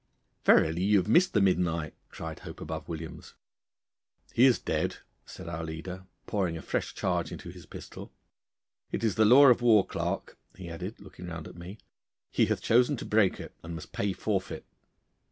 'Verily you have missed the Midianite!' cried Hope above Williams. 'He is dead,' said our leader, pouring a fresh charge into his pistol. 'It is the law of war, Clarke,' he added, looking round at me. 'He hath chosen to break it, and must pay forfeit.